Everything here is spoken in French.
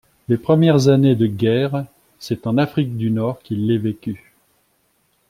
Les premières années de guerre, c’est en Afrique du Nord qu’il les vécut.